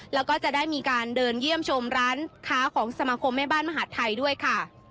แล้วก็จะได้มีการเดินเยี่ยมชมร้านค้าของสมาคมแม่บ้านมหาดไทยด้วยค่ะ